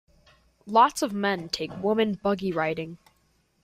Lots of men take women buggy riding.